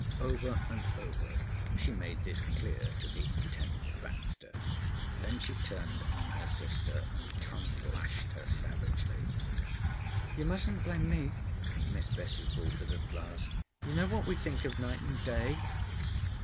Over and over she made this clear to the intent Baxter. Then she turned on her sister and tongue lashed her savagely. "You mustn't blame me," Miss Bessie faltered at last. "You know what we think of night and day."